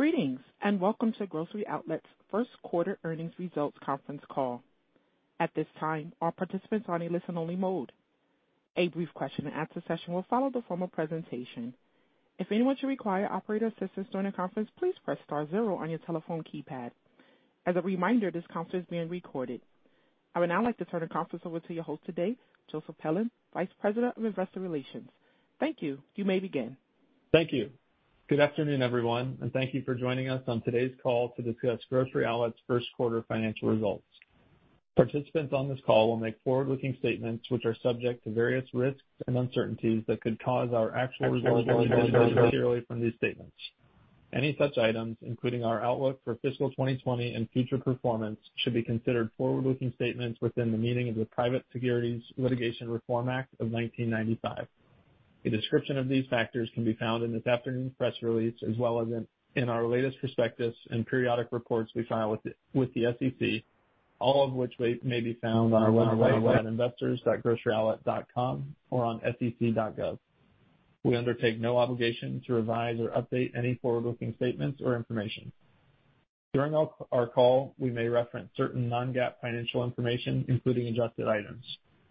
Greetings, and welcome to Grocery Outlet's first quarter earnings results conference call. At this time, all participants are in a listen-only mode. A brief question and answer session will follow the formal presentation. If anyone should require operator assistance during the conference, please press star zero on your telephone keypad. As a reminder, this conference is being recorded. I would now like to turn the conference over to your host today, Joseph Pelland, Vice President of Investor Relations. Thank you. You may begin. Thank you. Good afternoon, everyone, and thank you for joining us on today's call to discuss Grocery Outlet's first quarter financial results. Participants on this call will make forward-looking statements, which are subject to various risks and uncertainties that could cause our actual results to differ materially from these statements. Any such items, including our outlook for fiscal 2020 and future performance, should be considered forward-looking statements within the meaning of the Private Securities Litigation Reform Act of 1995. A description of these factors can be found in this afternoon's press release, as well as in our latest prospectus and periodic reports we file with the SEC, all of which may be found on our website at investors.groceryoutlet.com or on sec.gov. We undertake no obligation to revise or update any forward-looking statements or information. During our call, we may reference certain Non-GAAP financial information, including adjusted items.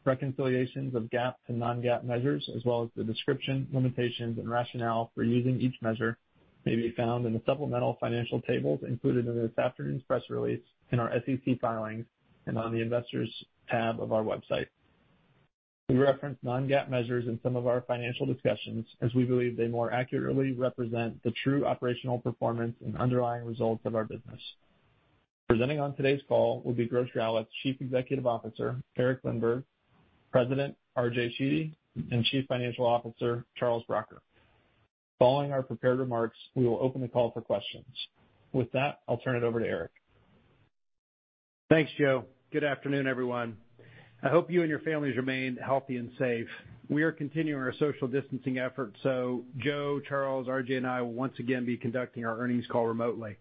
Reconciliations of GAAP to Non-GAAP measures, as well as the description, limitations, and rationale for using each measure, may be found in the supplemental financial tables included in this afternoon's press release, in our SEC filings, and on the Investors tab of our website. We reference Non-GAAP measures in some of our financial discussions, as we believe they more accurately represent the true operational performance and underlying results of our business. Presenting on today's call will be Grocery Outlet's Chief Executive Officer, Eric Lindberg, President, RJ Sheedy, and Chief Financial Officer, Charles Bracher. Following our prepared remarks, we will open the call for questions. With that, I'll turn it over to Eric. Thanks, Joe. Good afternoon, everyone. I hope you and your families remain healthy and safe. We are continuing our social distancing efforts, so Joe, Charles, RJ Sheedy, and I will once again be conducting our earnings call remotely.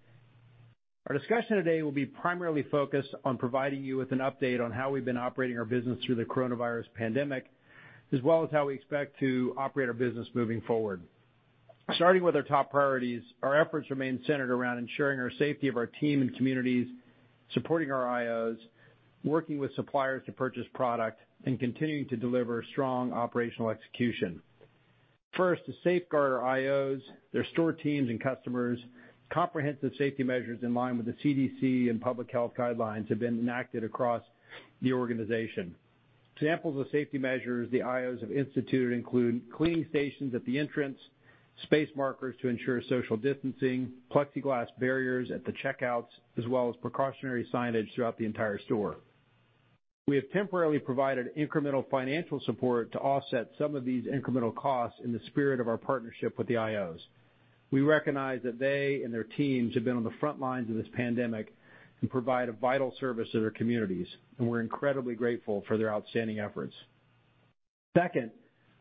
Our discussion today will be primarily focused on providing you with an update on how we've been operating our business through the coronavirus pandemic, as well as how we expect to operate our business moving forward. Starting with our top priorities, our efforts remain centered around ensuring our safety of our team and communities, supporting our IOs, working with suppliers to purchase product, and continuing to deliver strong operational execution. First, to safeguard our IOs, their store teams, and customers, comprehensive safety measures in line with the CDC and public health guidelines have been enacted across the organization. Examples of safety measures the IOs have instituted include cleaning stations at the entrance, space markers to ensure social distancing, plexiglass barriers at the checkouts, as well as precautionary signage throughout the entire store. We have temporarily provided incremental financial support to offset some of these incremental costs in the spirit of our partnership with the IOs. We recognize that they and their teams have been on the front lines of this pandemic and provide a vital service to their communities, and we're incredibly grateful for their outstanding efforts. Second,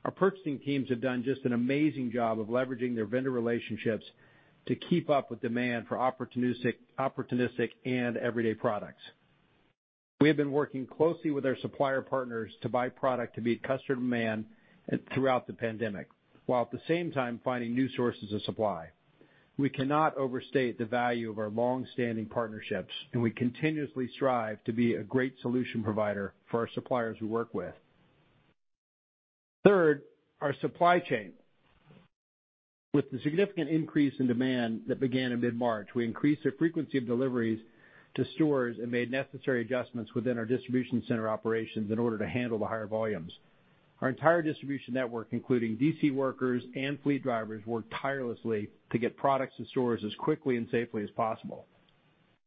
our purchasing teams have done just an amazing job of leveraging their vendor relationships to keep up with demand for opportunistic and everyday products. We have been working closely with our supplier partners to buy product to meet customer demand throughout the pandemic, while at the same time finding new sources of supply. We cannot overstate the value of our longstanding partnerships, and we continuously strive to be a great solution provider for our suppliers we work with. Third, our supply chain. With the significant increase in demand that began in mid-March, we increased the frequency of deliveries to stores and made necessary adjustments within our distribution center operations in order to handle the higher volumes. Our entire distribution network, including DC workers and fleet drivers, worked tirelessly to get products to stores as quickly and safely as possible.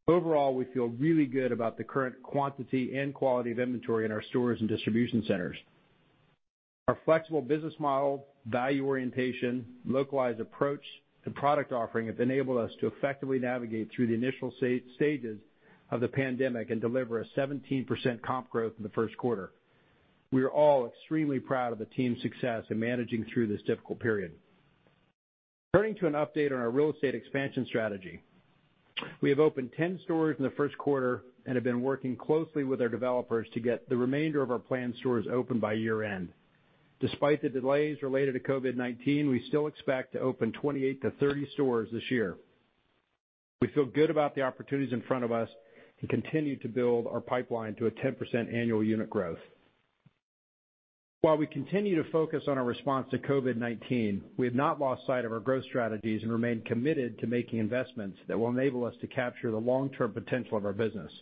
Overall, we feel really good about the current quantity and quality of inventory in our stores and distribution centers. Our flexible business model, value orientation, localized approach, and product offering have enabled us to effectively navigate through the initial stages of the pandemic and deliver a 17% comp growth in the first quarter. We are all extremely proud of the team's success in managing through this difficult period. Turning to an update on our real estate expansion strategy. We have opened 10 stores in the first quarter and have been working closely with our developers to get the remainder of our planned stores open by year-end. Despite the delays related to COVID-19, we still expect to open 28-30 stores this year. We feel good about the opportunities in front of us and continue to build our pipeline to a 10% annual unit growth. While we continue to focus on our response to COVID-19, we have not lost sight of our growth strategies and remain committed to making investments that will enable us to capture the long-term potential of our business.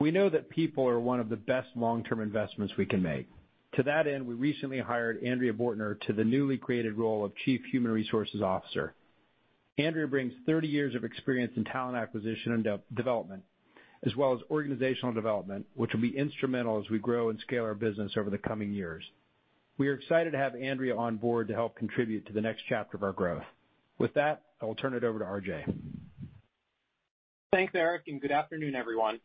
We know that people are one of the best long-term investments we can make. To that end, we recently hired Andrea Bortner to the newly created role of Chief Human Resources Officer. Andrea brings 30 years of experience in talent acquisition and development, as well as organizational development, which will be instrumental as we grow and scale our business over the coming years. We are excited to have Andrea on board to help contribute to the next chapter of our growth. With that, I will turn it over to RJ. Thanks, Eric. Good afternoon, everyone.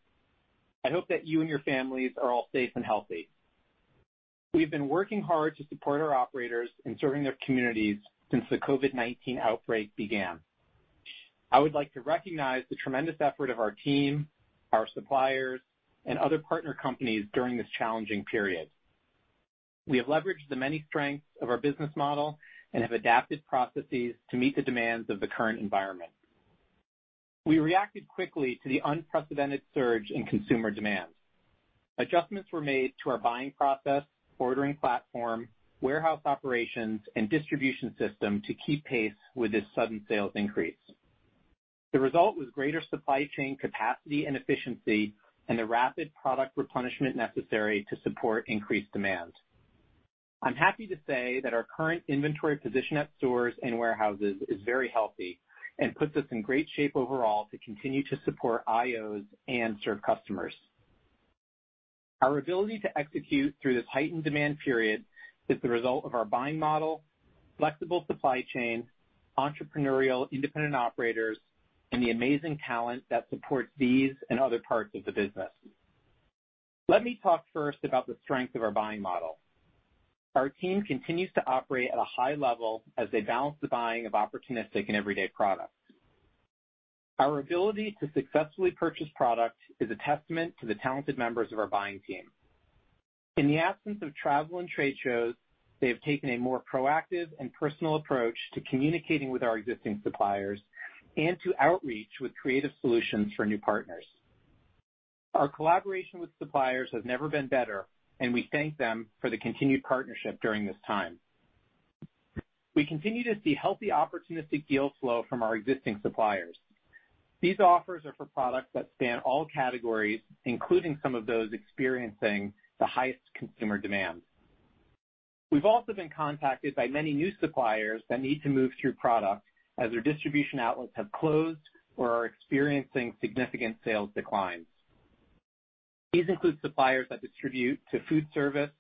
I hope that you and your families are all safe and healthy. We've been working hard to support our operators in serving their communities since the COVID-19 outbreak began. I would like to recognize the tremendous effort of our team, our suppliers, and other partner companies during this challenging period. We have leveraged the many strengths of our business model and have adapted processes to meet the demands of the current environment. We reacted quickly to the unprecedented surge in consumer demand. Adjustments were made to our buying process, ordering platform, warehouse operations, and distribution system to keep pace with this sudden sales increase. The result was greater supply chain capacity and efficiency and the rapid product replenishment necessary to support increased demand. I'm happy to say that our current inventory position at stores and warehouses is very healthy and puts us in great shape overall to continue to support IOs and serve customers. Our ability to execute through this heightened demand period is the result of our buying model, flexible supply chain, entrepreneurial, independent operators, and the amazing talent that supports these and other parts of the business. Let me talk first about the strength of our buying model. Our team continues to operate at a high level as they balance the buying of opportunistic and everyday products. Our ability to successfully purchase product is a testament to the talented members of our buying team. In the absence of travel and trade shows, they have taken a more proactive and personal approach to communicating with our existing suppliers and to outreach with creative solutions for new partners. Our collaboration with suppliers has never been better, and we thank them for the continued partnership during this time. We continue to see healthy opportunistic deal flow from our existing suppliers. These offers are for products that span all categories, including some of those experiencing the highest consumer demand. We've also been contacted by many new suppliers that need to move through product as their distribution outlets have closed or are experiencing significant sales declines. These include suppliers that distribute to food service,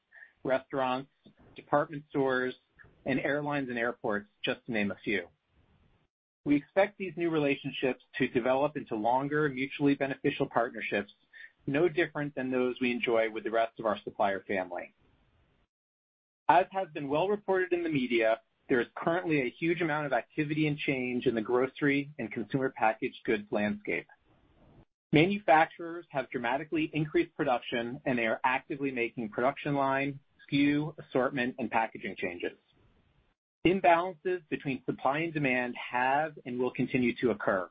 restaurants, department stores, and airlines and airports, just to name a few. We expect these new relationships to develop into longer, mutually beneficial partnerships, no different than those we enjoy with the rest of our supplier family. As has been well reported in the media, there is currently a huge amount of activity and change in the grocery and consumer packaged goods landscape. Manufacturers have dramatically increased production, and they are actively making production line, SKU, assortment, and packaging changes. Imbalances between supply and demand have and will continue to occur.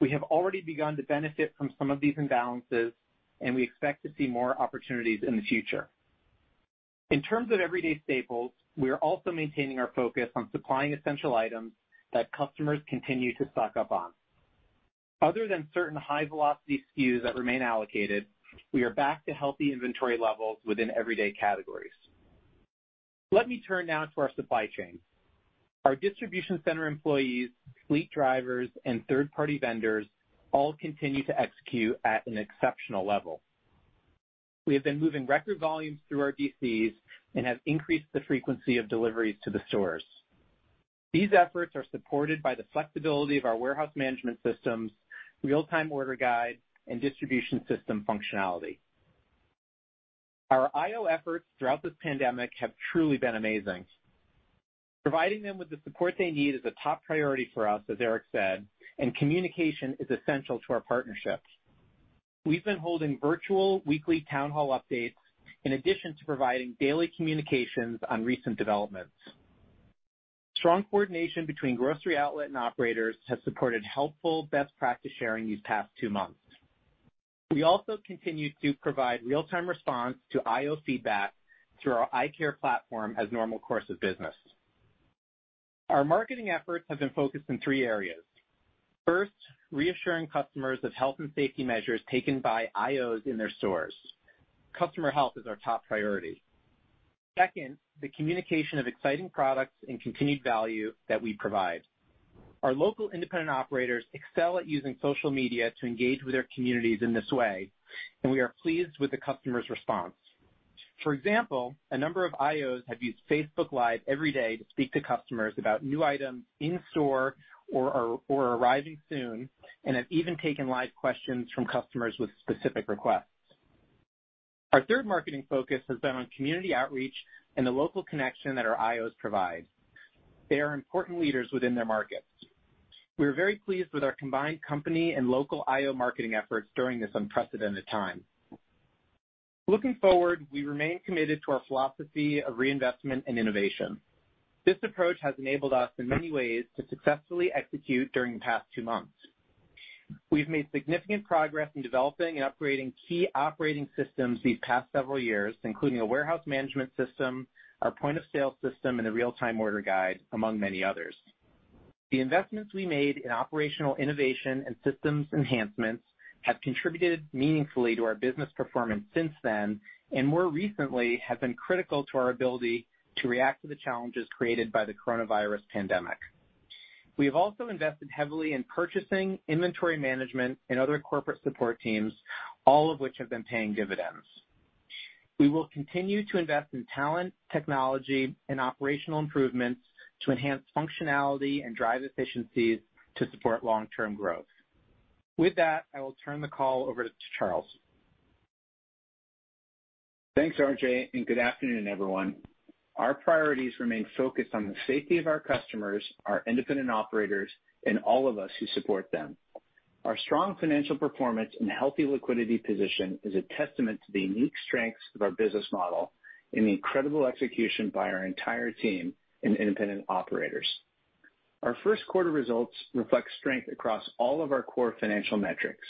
We have already begun to benefit from some of these imbalances, and we expect to see more opportunities in the future. In terms of everyday staples, we are also maintaining our focus on supplying essential items that customers continue to stock up on. Other than certain high-velocity SKUs that remain allocated, we are back to healthy inventory levels within everyday categories. Let me turn now to our supply chain. Our distribution center employees, fleet drivers, and third-party vendors all continue to execute at an exceptional level. We have been moving record volumes through our DCs and have increased the frequency of deliveries to the stores. These efforts are supported by the flexibility of our warehouse management systems, real-time order guide, and distribution system functionality. Our IO efforts throughout this pandemic have truly been amazing. Providing them with the support they need is a top priority for us, as Eric said. Communication is essential to our partnerships. We've been holding virtual weekly town hall updates in addition to providing daily communications on recent developments. Strong coordination between Grocery Outlet and operators has supported helpful best practice sharing these past two months. We also continue to provide real-time response to IO feedback through our I Care platform as normal course of business. Our marketing efforts have been focused in three areas. First, reassuring customers of health and safety measures taken by IOs in their stores. Customer health is our top priority. Second, the communication of exciting products and continued value that we provide. Our local independent operators excel at using social media to engage with their communities in this way, and we are pleased with the customers' response. For example, a number of IOs have used Facebook Live every day to speak to customers about new items in store or are arriving soon and have even taken live questions from customers with specific requests. Our third marketing focus has been on community outreach and the local connection that our IOs provide. They are important leaders within their markets. We are very pleased with our combined company and local IO marketing efforts during this unprecedented time. Looking forward, we remain committed to our philosophy of reinvestment and innovation. This approach has enabled us in many ways to successfully execute during the past two months. We've made significant progress in developing and upgrading key operating systems these past several years, including a warehouse management system, our point-of-sale system, and a real-time order guide, among many others. The investments we made in operational innovation and systems enhancements have contributed meaningfully to our business performance since then, and more recently, have been critical to our ability to react to the challenges created by the coronavirus pandemic. We have also invested heavily in purchasing, inventory management, and other corporate support teams, all of which have been paying dividends. We will continue to invest in talent, technology, and operational improvements to enhance functionality and drive efficiencies to support long-term growth. With that, I will turn the call over to Charles. Thanks, RJ. Good afternoon, everyone. Our priorities remain focused on the safety of our customers, our independent operators, and all of us who support them. Our strong financial performance and healthy liquidity position is a testament to the unique strengths of our business model and the incredible execution by our entire team and independent operators. Our first quarter results reflect strength across all of our core financial metrics.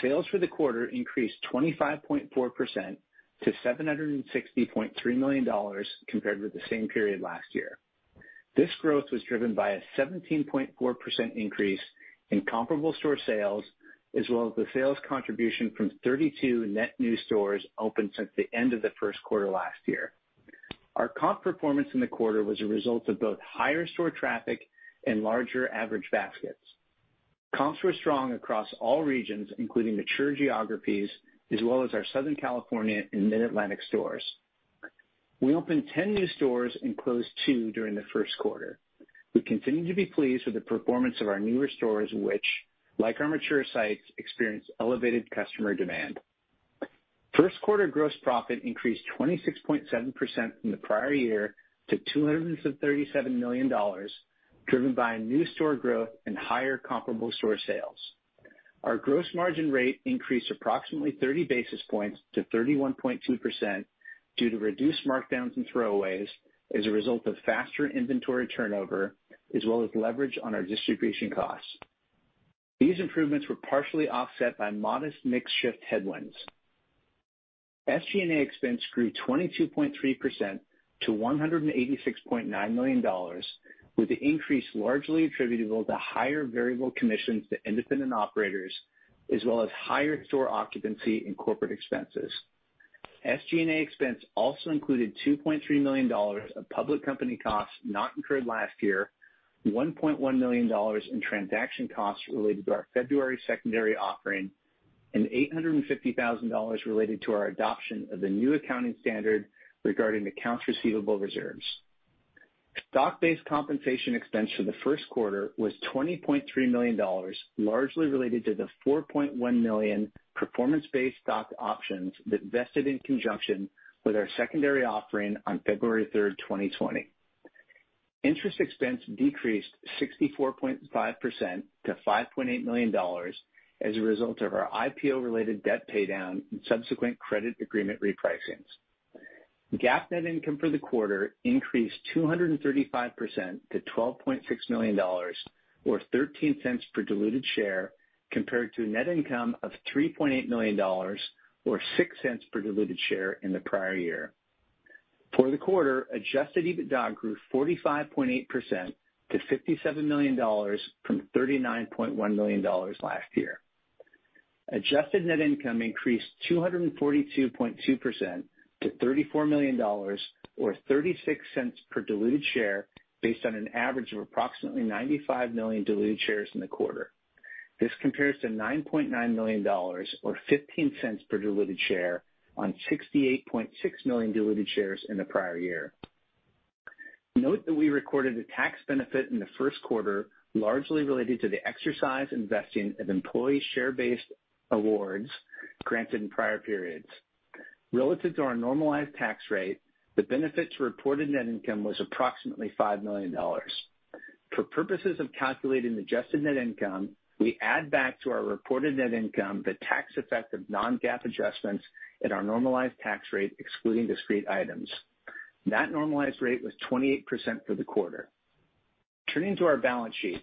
Sales for the quarter increased 25.4% to $760.3 million compared with the same period last year. This growth was driven by a 17.4% increase in comparable store sales, as well as the sales contribution from 32 net new stores opened since the end of the first quarter last year. Our comp performance in the quarter was a result of both higher store traffic and larger average baskets. Comps were strong across all regions, including mature geographies, as well as our Southern California and Mid-Atlantic stores. We opened 10 new stores and closed two during the first quarter. We continue to be pleased with the performance of our newer stores, which, like our mature sites, experience elevated customer demand. First quarter gross profit increased 26.7% from the prior year to $237 million, driven by new store growth and higher comparable store sales. Our gross margin rate increased approximately 30 basis points to 31.2% due to reduced markdowns and throwaways as a result of faster inventory turnover, as well as leverage on our distribution costs. These improvements were partially offset by modest mix shift headwinds. SG&A expense grew 22.3% to $186.9 million, with the increase largely attributable to higher variable commissions to independent operators, as well as higher store occupancy and corporate expenses. SG&A expense also included $2.3 million of public company costs not incurred last year, $1.1 million in transaction costs related to our February secondary offering, and $850,000 related to our adoption of the new accounting standard regarding accounts receivable reserves. Stock-based compensation expense for the first quarter was $20.3 million, largely related to the 4.1 million performance-based stock options that vested in conjunction with our secondary offering on February 3rd, 2020. Interest expense decreased 64.5% to $5.8 million as a result of our IPO-related debt paydown and subsequent credit agreement repricings. GAAP net income for the quarter increased 235% to $12.6 million, or $0.13 per diluted share, compared to net income of $3.8 million or $0.06 per diluted share in the prior year. For the quarter, adjusted EBITDA grew 45.8% to $57 million from $39.1 million last year. Adjusted net income increased 242.2% to $34 million or $0.36 per diluted share, based on an average of approximately 95 million diluted shares in the quarter. This compares to $9.9 million or $0.15 per diluted share on 68.6 million diluted shares in the prior year. Note that we recorded a tax benefit in the first quarter, largely related to the exercise and vesting of employee share-based awards granted in prior periods. Relative to our normalized tax rate, the benefit to reported net income was approximately $5 million. For purposes of calculating adjusted net income, we add back to our reported net income the tax effect of Non-GAAP adjustments at our normalized tax rate, excluding discrete items. That normalized rate was 28% for the quarter. Turning to our balance sheet.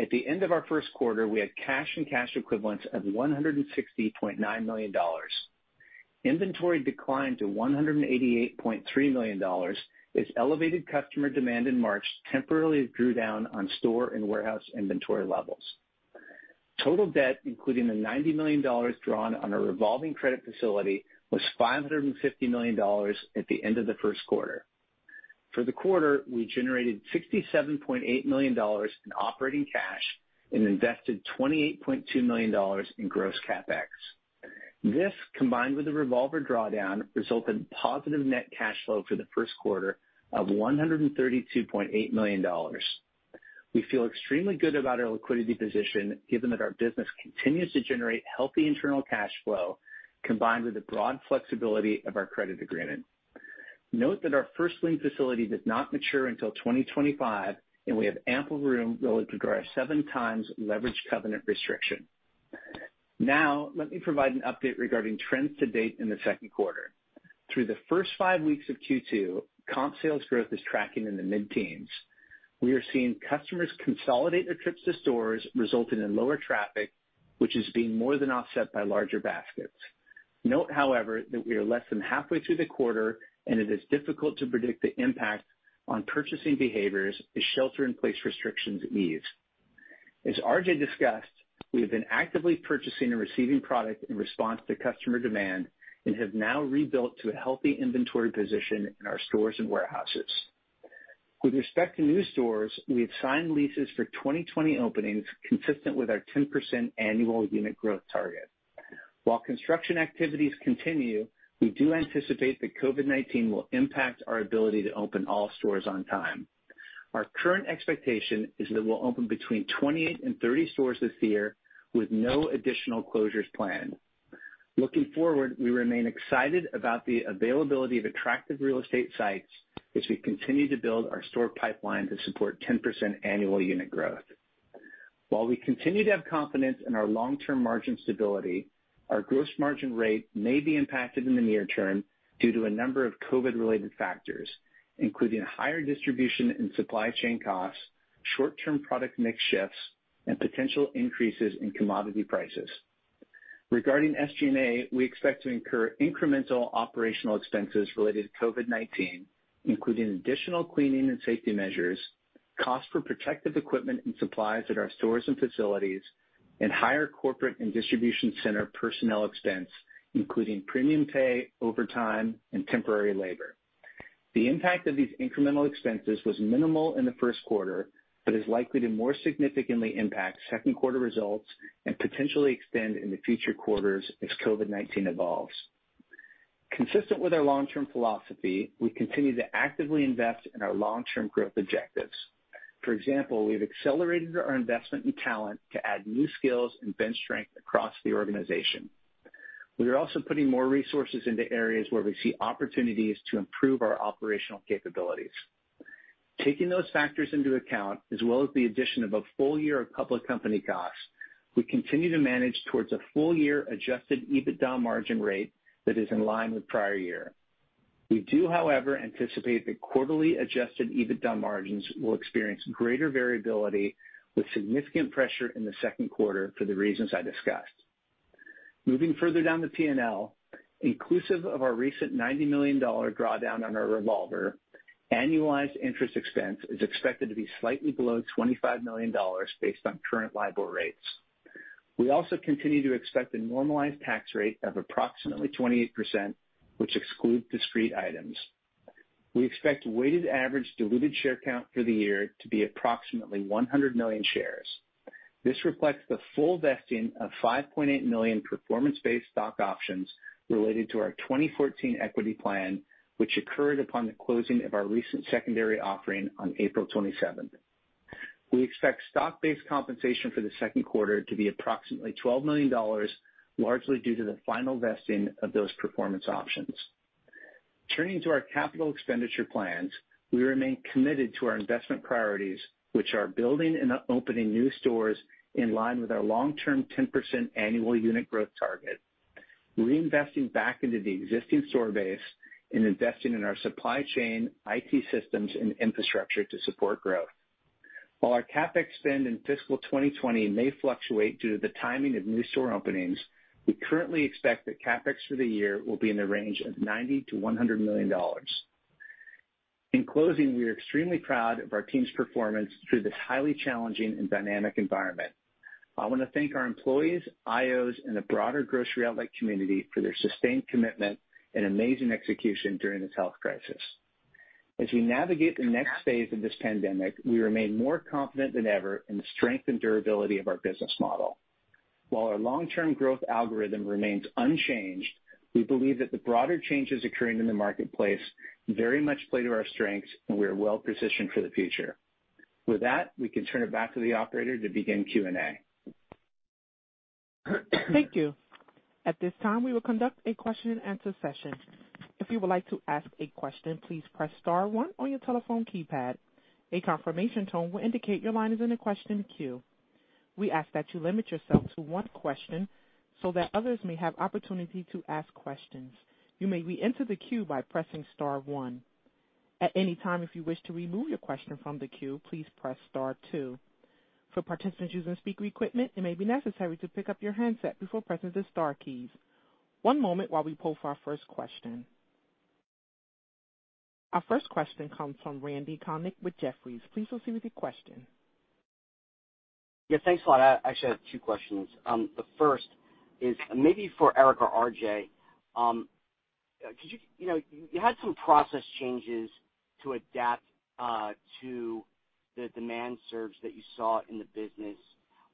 At the end of our first quarter, we had cash and cash equivalents of $160.9 million. Inventory declined to $188.3 million as elevated customer demand in March temporarily drew down on store and warehouse inventory levels. Total debt, including the $90 million drawn on a revolving credit facility, was $550 million at the end of the first quarter. For the quarter, we generated $67.8 million in operating cash and invested $28.2 million in gross CapEx. This, combined with the revolver drawdown, resulted in positive net cash flow for the first quarter of $132.8 million. We feel extremely good about our liquidity position given that our business continues to generate healthy internal cash flow, combined with the broad flexibility of our credit agreement. Note that our first lien facility does not mature until 2025, and we have ample room relative to our seven times leverage covenant restriction. Let me provide an update regarding trends to date in the second quarter. Through the first five weeks of Q2, comp sales growth is tracking in the mid-teens. We are seeing customers consolidate their trips to stores, resulting in lower traffic, which is being more than offset by larger baskets. Note, however, that we are less than halfway through the quarter, and it is difficult to predict the impact on purchasing behaviors as shelter in place restrictions ease. As RJ discussed, we have been actively purchasing and receiving product in response to customer demand and have now rebuilt to a healthy inventory position in our stores and warehouses. With respect to new stores, we have signed leases for 2020 openings consistent with our 10% annual unit growth target. While construction activities continue, we do anticipate that COVID-19 will impact our ability to open all stores on time. Our current expectation is that we'll open between 28 and 30 stores this year with no additional closures planned. Looking forward, we remain excited about the availability of attractive real estate sites as we continue to build our store pipeline to support 10% annual unit growth. While we continue to have confidence in our long-term margin stability, our gross margin rate may be impacted in the near term due to a number of COVID-related factors, including higher distribution and supply chain costs, short-term product mix shifts, and potential increases in commodity prices. Regarding SG&A, we expect to incur incremental operational expenses related to COVID-19, including additional cleaning and safety measures, costs for protective equipment and supplies at our stores and facilities, and higher corporate and distribution center personnel expense, including premium pay, overtime, and temporary labor. The impact of these incremental expenses was minimal in the first quarter, but is likely to more significantly impact second quarter results and potentially extend into future quarters as COVID-19 evolves. Consistent with our long-term philosophy, we continue to actively invest in our long-term growth objectives. For example, we've accelerated our investment in talent to add new skills and bench strength across the organization. We are also putting more resources into areas where we see opportunities to improve our operational capabilities. Taking those factors into account, as well as the addition of a full year of public company costs, we continue to manage towards a full year adjusted EBITDA margin rate that is in line with prior year. We do, however, anticipate that quarterly adjusted EBITDA margins will experience greater variability with significant pressure in the second quarter for the reasons I discussed. Moving further down the P&L, inclusive of our recent $90 million drawdown on our revolver, annualized interest expense is expected to be slightly below $25 million based on current LIBOR rates. We also continue to expect a normalized tax rate of approximately 28%, which excludes discrete items. We expect weighted average diluted share count for the year to be approximately 100 million shares. This reflects the full vesting of 5.8 million performance-based stock options related to our 2014 equity plan, which occurred upon the closing of our recent secondary offering on April 27th. We expect stock-based compensation for the second quarter to be approximately $12 million, largely due to the final vesting of those performance options. Turning to our capital expenditure plans, we remain committed to our investment priorities, which are building and opening new stores in line with our long-term 10% annual unit growth target, reinvesting back into the existing store base, and investing in our supply chain, IT systems, and infrastructure to support growth. While our CapEx spend in fiscal 2020 may fluctuate due to the timing of new store openings, we currently expect that CapEx for the year will be in the range of $90 million-$100 million. In closing, we are extremely proud of our team's performance through this highly challenging and dynamic environment. I want to thank our employees, IOs, and the broader Grocery Outlet community for their sustained commitment and amazing execution during this health crisis. As we navigate the next phase of this pandemic, we remain more confident than ever in the strength and durability of our business model. While our long-term growth algorithm remains unchanged, we believe that the broader changes occurring in the marketplace very much play to our strengths, and we are well-positioned for the future. With that, we can turn it back to the operator to begin Q&A. Thank you. At this time, we will conduct a question and answer session. If you would like to ask a question, please press star one on your telephone keypad. A confirmation tone will indicate your line is in the question queue. We ask that you limit yourself to one question so that others may have opportunity to ask questions. You may re-enter the queue by pressing star one. At any time, if you wish to remove your question from the queue, please press star two. For participants using speaker equipment, it may be necessary to pick up your handset before pressing the star keys. One moment while we poll for our first question. Our first question comes from Randal Konik with Jefferies. Please proceed with your question. Yeah, thanks a lot. I actually have two questions. The first is maybe for Eric or RJ. You had some process changes to adapt to the demand surge that you saw in the business.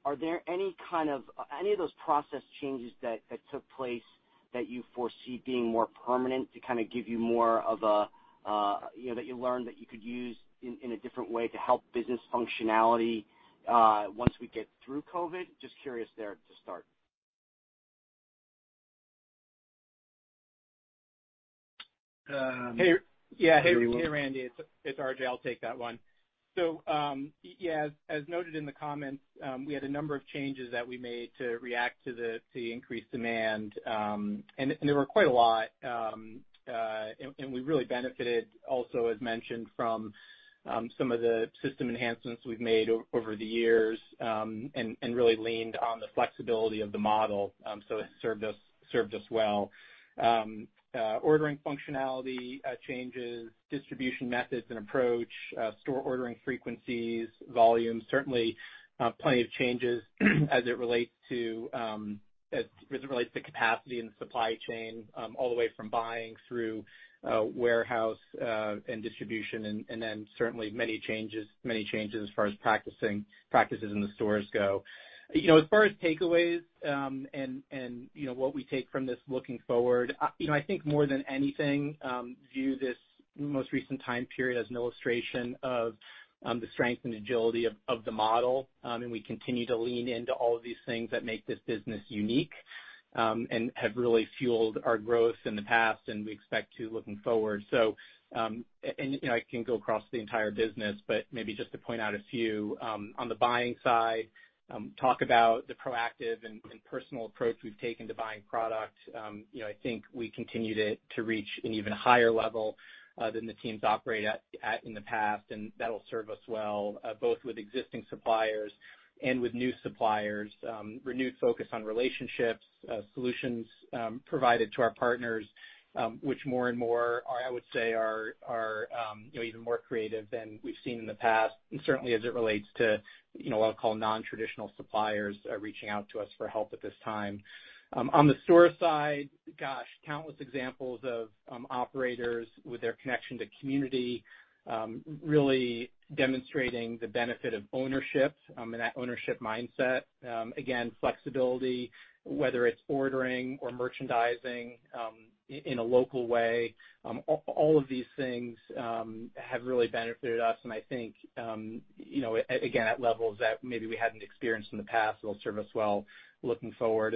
Are there any of those process changes that took place that you foresee being more permanent that you learned that you could use in a different way to help business functionality once we get through COVID? Just curious there to start. Hey, Randal Konik. It's RJ. I'll take that one. Yeah, as noted in the comments, we had a number of changes that we made to react to the increased demand. There were quite a lot, and we really benefited also, as mentioned, from some of the system enhancements we've made over the years, and really leaned on the flexibility of the model. It served us well. Ordering functionality changes, distribution methods and approach, store ordering frequencies, volumes, certainly plenty of changes as it relates to capacity and supply chain, all the way from buying through warehouse and distribution, and then certainly many changes as far as practices in the stores go. As far as takeaways and what we take from this looking forward, I think more than anything, view this. Most recent time period as an illustration of the strength and agility of the model. We continue to lean into all of these things that make this business unique, and have really fueled our growth in the past, and we expect to looking forward. I can go across the entire business, but maybe just to point out a few. On the buying side, talk about the proactive and personal approach we've taken to buying product. I think we continued it to reach an even higher level than the teams operate at in the past. That'll serve us well, both with existing suppliers and with new suppliers. Renewed focus on relationships, solutions provided to our partners, which more and more, I would say are even more creative than we've seen in the past. Certainly as it relates to, what I'll call non-traditional suppliers, reaching out to us for help at this time. On the store side, gosh, countless examples of operators with their connection to community, really demonstrating the benefit of ownership, and that ownership mindset. Again, flexibility, whether it's ordering or merchandising, in a local way. All of these things have really benefited us. I think, again, at levels that maybe we hadn't experienced in the past, that'll serve us well looking forward.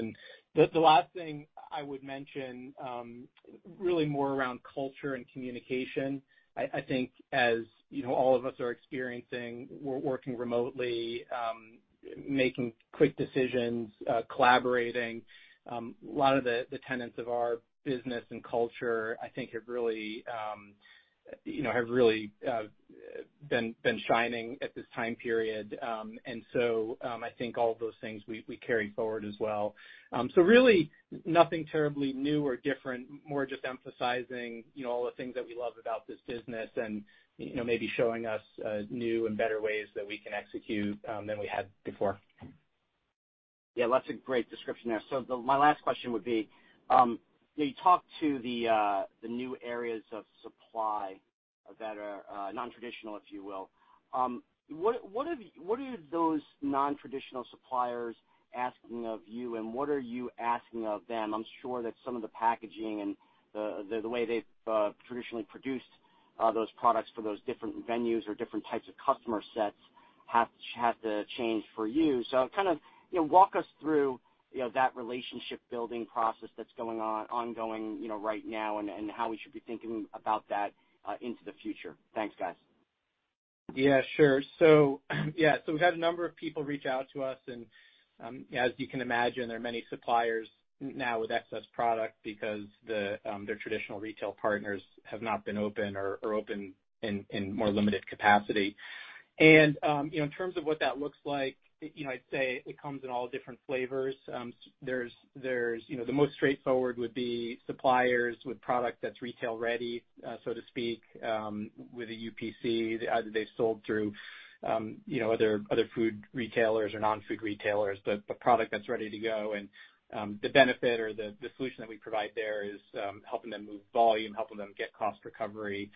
The last thing I would mention, really more around culture and communication. I think as all of us are experiencing, we're working remotely, making quick decisions, collaborating. A lot of the tenets of our business and culture, I think have really been shining at this time period. I think all of those things we carry forward as well. Really nothing terribly new or different, more just emphasizing all the things that we love about this business and maybe showing us new and better ways that we can execute, than we had before. Yeah. That's a great description there. My last question would be, you talked to the new areas of supply that are non-traditional, if you will. What are those non-traditional suppliers asking of you, and what are you asking of them? I'm sure that some of the packaging and the way they've traditionally produced those products for those different venues or different types of customer sets had to change for you. Kind of walk us through that relationship building process that's ongoing right now and how we should be thinking about that into the future. Thanks, guys. Yeah, sure. We've had a number of people reach out to us and, as you can imagine, there are many suppliers now with excess product because their traditional retail partners have not been open or are open in more limited capacity. In terms of what that looks like, I'd say it comes in all different flavors. The most straightforward would be suppliers with product that's retail ready, so to speak, with a UPC, either they sold through other food retailers or non-food retailers, but the product that's ready to go. The benefit or the solution that we provide there is helping them move volume, helping them get cost recovery.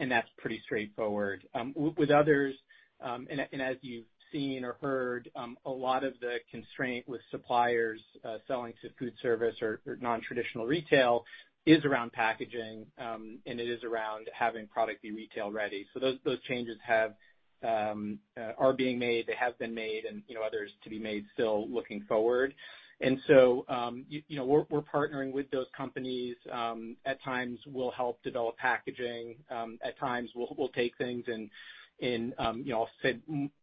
That's pretty straightforward. With others, and as you've seen or heard, a lot of the constraint with suppliers selling to food service or non-traditional retail is around packaging. It is around having product be retail ready. Those changes are being made, they have been made and others to be made still looking forward. We're partnering with those companies. At times, we'll help develop packaging. At times, we'll take things in, I'll say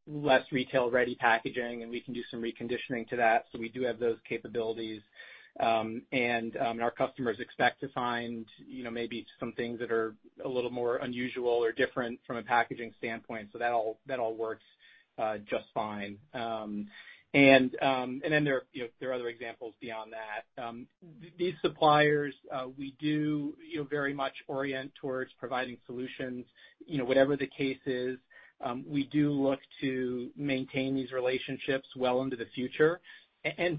less retail ready packaging, and we can do some reconditioning to that. We do have those capabilities. Our customers expect to find maybe some things that are a little more unusual or different from a packaging standpoint. That all works just fine. There are other examples beyond that. These suppliers, we do very much orient towards providing solutions, whatever the case is. We do look to maintain these relationships well into the future.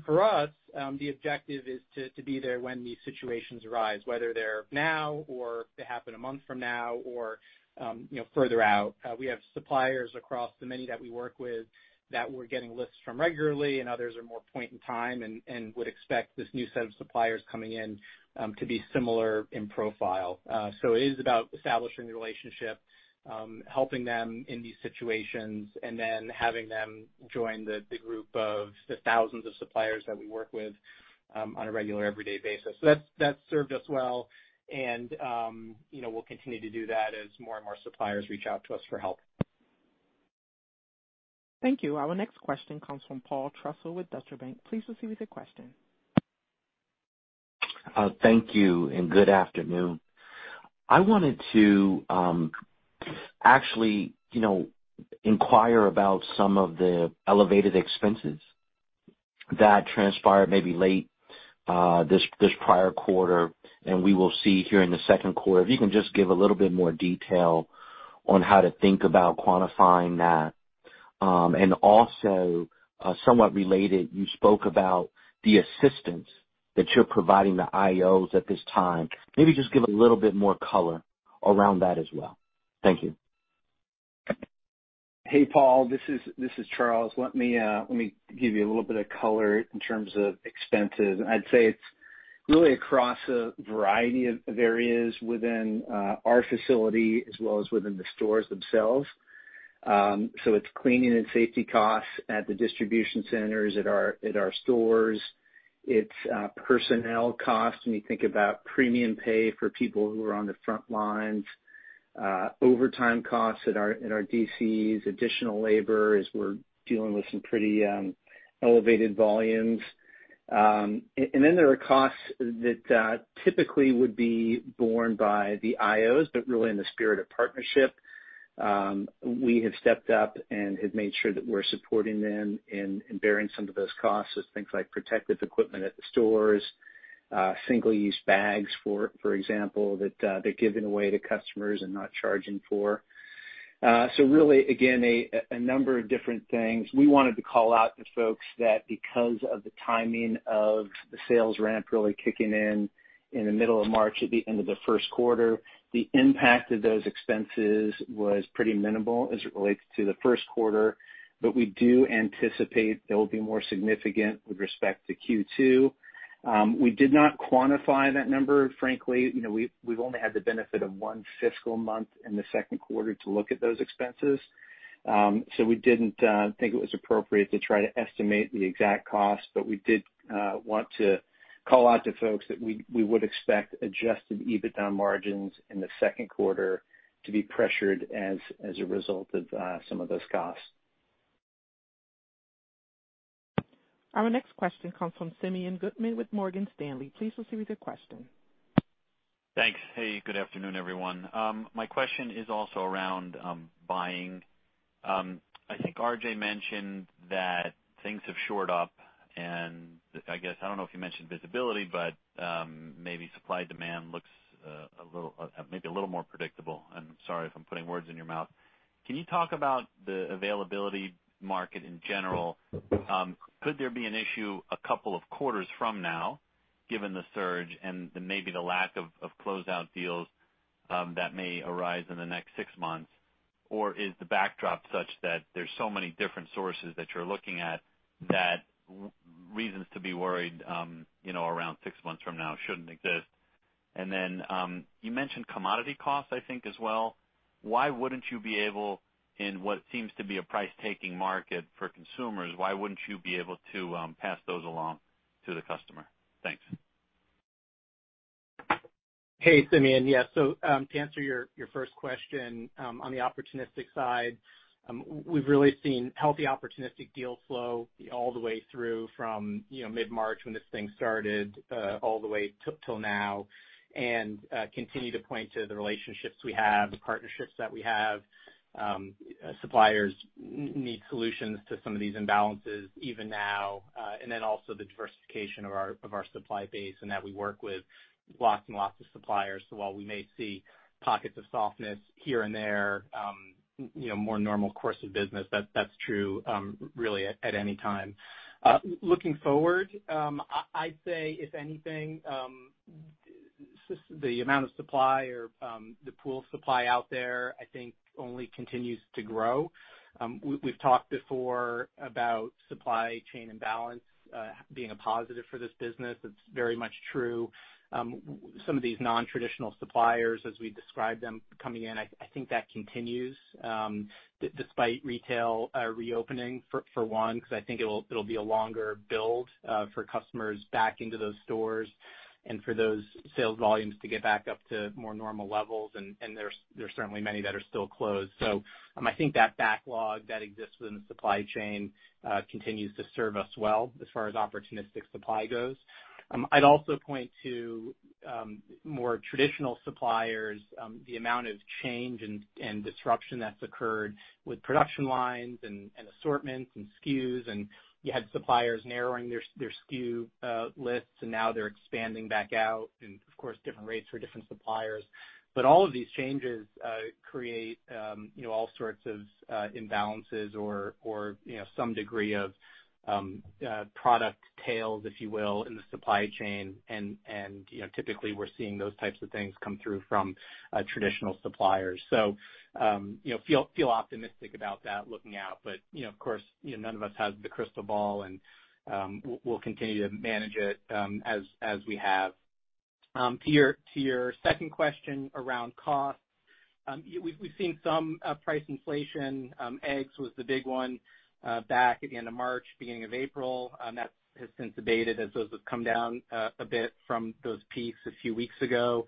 For us, the objective is to be there when these situations arise. Whether they're now or they happen a month from now or further out. We have suppliers across the many that we work with that we're getting lists from regularly, and others are more point in time and would expect this new set of suppliers coming in, to be similar in profile. It is about establishing the relationship, helping them in these situations, and then having them join the group of the thousands of suppliers that we work with on a regular, everyday basis. That's served us well and we'll continue to do that as more and more suppliers reach out to us for help. Thank you. Our next question comes from Paul Trussell with Deutsche Bank. Please proceed with your question. Thank you and good afternoon. I wanted to actually inquire about some of the elevated expenses that transpired maybe late this prior quarter, and we will see here in the second quarter. If you can just give a little bit more detail on how to think about quantifying that. And also, somewhat related, you spoke about the assistance that you're providing the IOs at this time. Maybe just give a little bit more color around that as well. Thank you. Paul, this is Charles. Let me give you a little bit of color in terms of expenses. I'd say it's really across a variety of areas within our facility as well as within the stores themselves. It's cleaning and safety costs at the distribution centers, at our stores. It's personnel costs when you think about premium pay for people who are on the front lines, overtime costs at our DCs, additional labor as we're dealing with some pretty elevated volumes. Then there are costs that typically would be borne by the IOs. Really in the spirit of partnership, we have stepped up and have made sure that we're supporting them and bearing some of those costs as things like protective equipment at the stores, single-use bags, for example, that they're giving away to customers and not charging for. Really, again, a number of different things. We wanted to call out to folks that because of the timing of the sales ramp really kicking in in the middle of March at the end of the first quarter, the impact of those expenses was pretty minimal as it relates to the first quarter. We do anticipate they'll be more significant with respect to Q2. We did not quantify that number, frankly. We've only had the benefit of one fiscal month in the second quarter to look at those expenses. We didn't think it was appropriate to try to estimate the exact cost, but we did want to call out to folks that we would expect adjusted EBITDA margins in the second quarter to be pressured as a result of some of those costs. Our next question comes from Simeon Gutman with Morgan Stanley. Please proceed with your question. Thanks. Hey, good afternoon, everyone. My question is also around buying. I think RJ mentioned that things have shored up and I guess, I don't know if you mentioned visibility, but maybe supply demand looks maybe a little more predictable. I'm sorry if I'm putting words in your mouth. Can you talk about the availability market in general? Could there be an issue a couple of quarters from now given the surge and maybe the lack of closeout deals that may arise in the next six months? Is the backdrop such that there's so many different sources that you're looking at that reasons to be worried around six months from now shouldn't exist? You mentioned commodity costs, I think as well. Why wouldn't you be able, in what seems to be a price taking market for consumers, why wouldn't you be able to pass those along to the customer? Thanks. Hey, Simeon. Yeah. To answer your first question, on the opportunistic side, we've really seen healthy opportunistic deal flow all the way through from mid-March when this thing started, all the way till now and continue to point to the relationships we have, the partnerships that we have. Suppliers need solutions to some of these imbalances even now. Also the diversification of our supply base and that we work with lots and lots of suppliers. While we may see pockets of softness here and there, more normal course of business, that's true really at any time. Looking forward, I'd say if anything, the amount of supply or the pool supply out there, I think only continues to grow. We've talked before about supply chain imbalance being a positive for this business. It's very much true. Some of these non-traditional suppliers as we describe them coming in, I think that continues despite retail reopening for one because I think it'll be a longer build for customers back into those stores and for those sales volumes to get back up to more normal levels and there's certainly many that are still closed. I think that backlog that exists within the supply chain continues to serve us well as far as opportunistic supply goes. I'd also point to more traditional suppliers, the amount of change and disruption that's occurred with production lines and assortments and SKUs, you had suppliers narrowing their SKU lists and now they're expanding back out and of course, different rates for different suppliers. All of these changes create all sorts of imbalances or some degree of product tails, if you will, in the supply chain. Typically, we're seeing those types of things come through from traditional suppliers. Feel optimistic about that looking out. Of course, none of us has the crystal ball and we'll continue to manage it as we have. To your second question around cost, we've seen some price inflation. Eggs was the big one back at the end of March, beginning of April. That has since abated as those have come down a bit from those peaks a few weeks ago.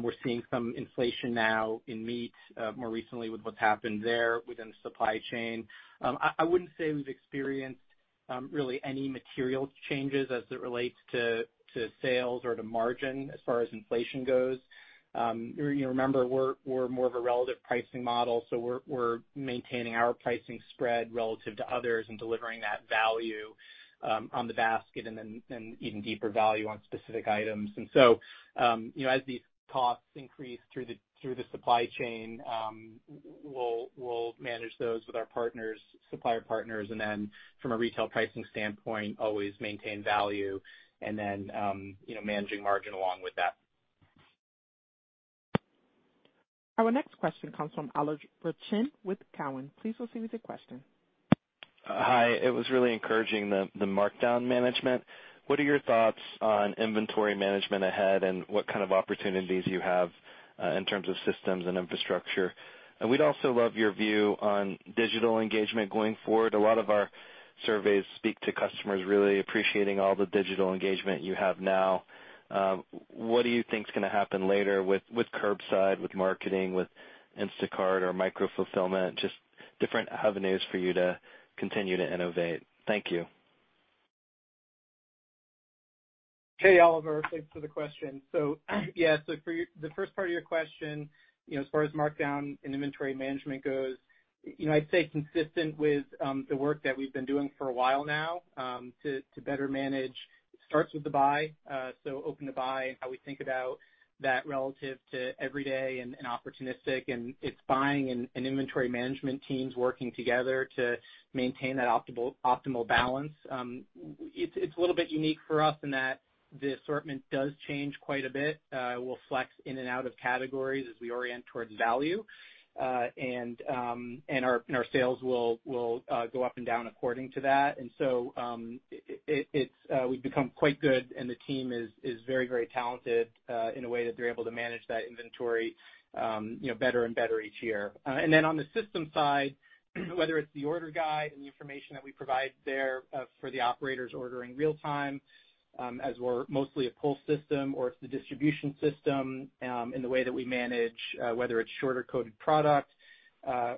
We're seeing some inflation now in meat more recently with what's happened there within the supply chain. I wouldn't say we've experienced really any material changes as it relates to sales or to margin as far as inflation goes. Remember, we're more of a relative pricing model, so we're maintaining our pricing spread relative to others and delivering that value on the basket and even deeper value on specific items. As these costs increase through the supply chain, we'll manage those with our supplier partners, and then from a retail pricing standpoint, always maintain value and then managing margin along with that. Our next question comes from Oliver Chen with Cowen. Please proceed with your question. Hi. It was really encouraging, the markdown management. What are your thoughts on inventory management ahead and what kind of opportunities you have in terms of systems and infrastructure? We'd also love your view on digital engagement going forward. A lot of our surveys speak to customers really appreciating all the digital engagement you have now. What do you think is going to happen later with curbside, with marketing, with Instacart or micro-fulfillment, just different avenues for you to continue to innovate? Thank you. Hey, Oliver. Thanks for the question. For the first part of your question, as far as markdown and inventory management goes, I'd say consistent with the work that we've been doing for a while now to better manage. It starts with the buy, open-to-buy and how we think about that relative to everyday and opportunistic, and it's buying and inventory management teams working together to maintain that optimal balance. It's a little bit unique for us in that the assortment does change quite a bit. We'll flex in and out of categories as we orient towards value. Our sales will go up and down according to that. We've become quite good, and the team is very talented in a way that they're able to manage that inventory better and better each year. On the system side, whether it's the order guide and the information that we provide there for the operators ordering real time, as we're mostly a pull system or it's the distribution system in the way that we manage, whether it's shorter coded product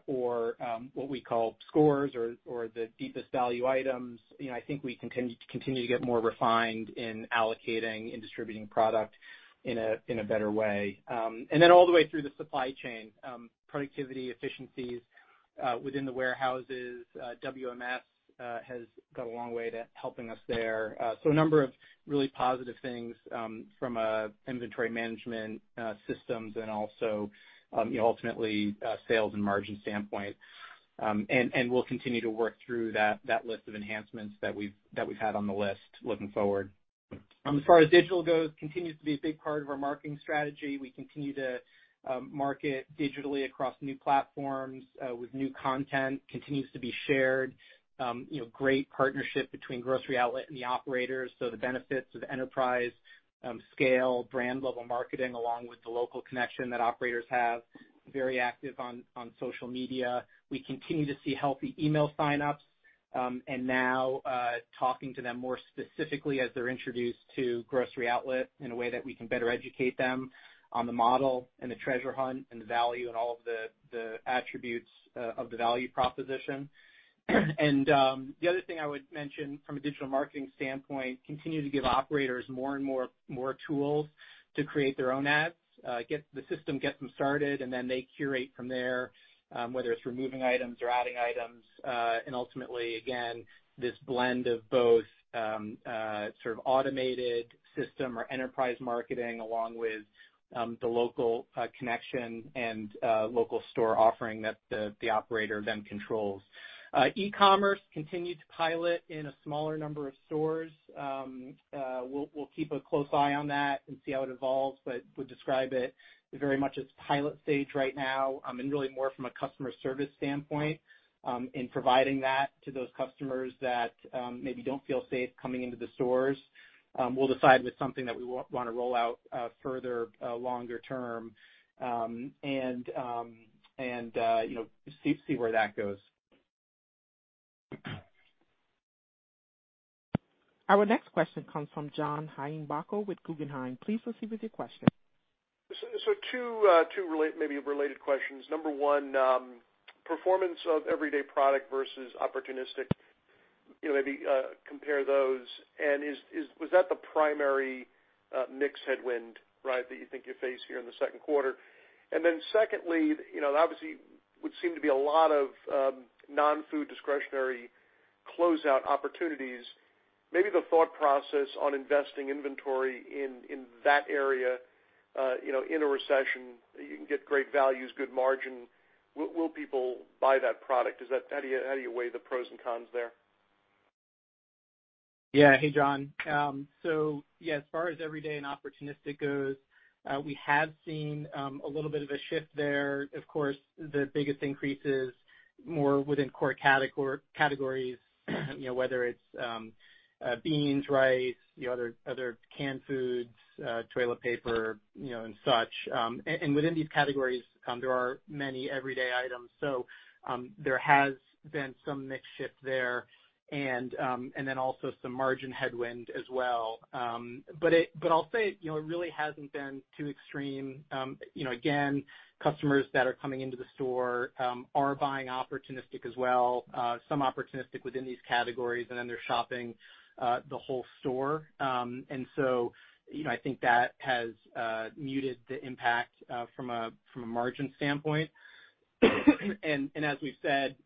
or what we call scores or the deepest value items. I think we continue to get more refined in allocating and distributing product in a better way. All the way through the supply chain, productivity efficiencies within the warehouses. WMS has got a long way to helping us there. A number of really positive things from an inventory management systems and also ultimately, sales and margin standpoint. We'll continue to work through that list of enhancements that we've had on the list looking forward. As far as digital goes, continues to be a big part of our marketing strategy. We continue to market digitally across new platforms, with new content, continues to be shared. Great partnership between Grocery Outlet and the operators. The benefits of enterprise scale, brand level marketing, along with the local connection that operators have. Very active on social media. We continue to see healthy email signups. Now, talking to them more specifically as they're introduced to Grocery Outlet in a way that we can better educate them on the model and the treasure hunt and the value and all of the attributes of the value proposition. The other thing I would mention from a digital marketing standpoint, continue to give operators more and more tools to create their own ads. The system gets them started, and then they curate from there, whether it's removing items or adding items. Ultimately, again, this blend of both sort of automated system or enterprise marketing along with the local connection and local store offering that the operator then controls. E-commerce continued to pilot in a smaller number of stores. We'll keep a close eye on that and see how it evolves, but would describe it very much as pilot stage right now, and really more from a customer service standpoint, in providing that to those customers that maybe don't feel safe coming into the stores. We'll decide with something that we want to roll out further longer term, and see where that goes. Our next question comes from John Heinbockel with Guggenheim. Please proceed with your question. Two maybe related questions. Number one, performance of everyday product versus opportunistic. Maybe compare those. Was that the primary mix headwind, right, that you think you face here in the second quarter? Secondly, obviously would seem to be a lot of non-food discretionary closeout opportunities. Maybe the thought process on investing inventory in that area in a recession. You can get great values, good margin. Will people buy that product? How do you weigh the pros and cons there? Yeah. Hey, John. Yeah, as far as everyday and opportunistic goes, we have seen a little bit of a shift there. Of course, the biggest increase is more within core categories, whether it's beans, rice, other canned foods, toilet paper, and such. Within these categories, there are many everyday items. There has been some mix shift there, also some margin headwind as well. I'll say, it really hasn't been too extreme. Again, customers that are coming into the store are buying opportunistic as well. Some opportunistic within these categories, they're shopping the whole store. I think that has muted the impact from a margin standpoint. As we've said.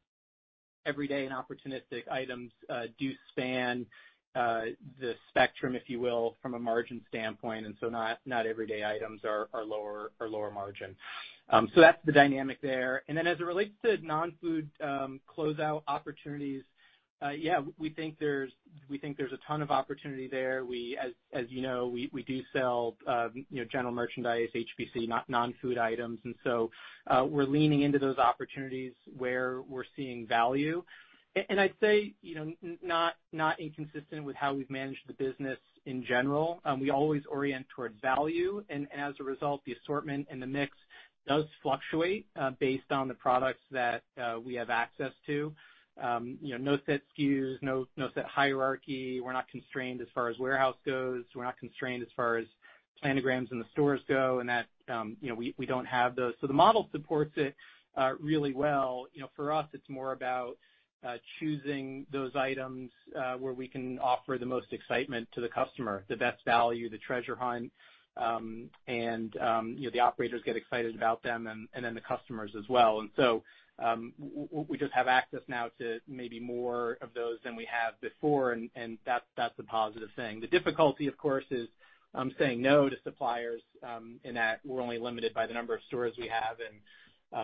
Every day and opportunistic items do span the spectrum, if you will, from a margin standpoint, not every day items are lower margin. That's the dynamic there. As it relates to non-food closeout opportunities, yeah, we think there's a ton of opportunity there. As you know, we do sell general merchandise, HBC, non-food items, we're leaning into those opportunities where we're seeing value. I'd say, not inconsistent with how we've managed the business in general. We always orient towards value, and as a result, the assortment and the mix does fluctuate based on the products that we have access to. No set SKUs, no set hierarchy. We're not constrained as far as warehouse goes. We're not constrained as far as planograms in the stores go, and that we don't have those. The model supports it really well. For us, it's more about choosing those items where we can offer the most excitement to the customer, the best value, the treasure hunt, and the operators get excited about them and then the customers as well. We just have access now to maybe more of those than we have before, and that's a positive thing. The difficulty, of course, is saying no to suppliers, in that we're only limited by the number of stores we have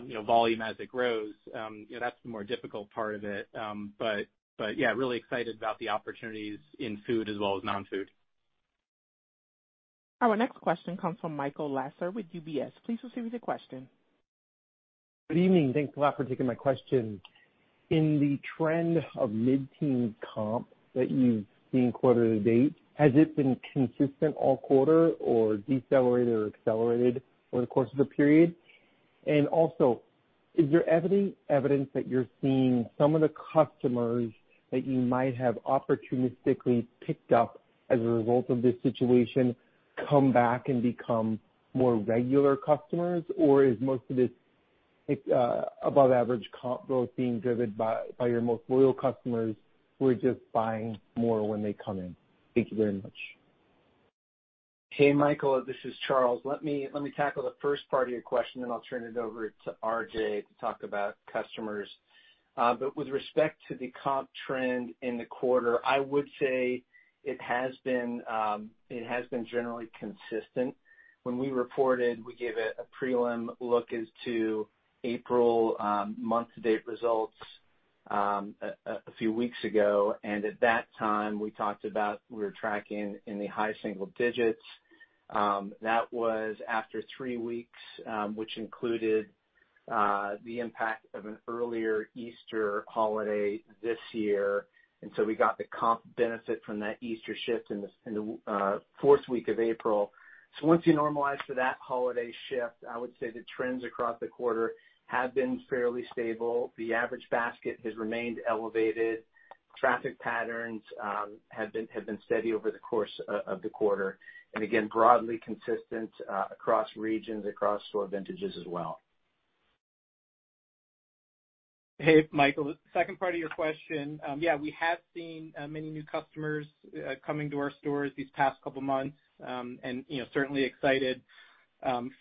and volume as it grows. That's the more difficult part of it. Yeah, really excited about the opportunities in food as well as non-food. Our next question comes from Michael Lasser with UBS. Please proceed with your question. Good evening. Thanks a lot for taking my question. In the trend of mid-teen comp that you've seen quarter to date, has it been consistent all quarter or decelerated or accelerated over the course of the period? Also, is there evidence that you're seeing some of the customers that you might have opportunistically picked up as a result of this situation come back and become more regular customers? Or is most of this above average comp growth being driven by your most loyal customers who are just buying more when they come in? Thank you very much. Hey, Michael, this is Charles. Let me tackle the first part of your question, and I'll turn it over to RJ to talk about customers. With respect to the comp trend in the quarter, I would say it has been generally consistent. When we reported, we gave it a prelim look as to April month-to-date results a few weeks ago, and at that time, we talked about we were tracking in the high single digits. That was after three weeks, which included the impact of an earlier Easter holiday this year, and so we got the comp benefit from that Easter shift in the fourth week of April. Once you normalize for that holiday shift, I would say the trends across the quarter have been fairly stable. The average basket has remained elevated. Traffic patterns have been steady over the course of the quarter, and again, broadly consistent across regions, across store vintages as well. Hey, Michael. Second part of your question. Yeah, we have seen many new customers coming to our stores these past couple of months. Certainly excited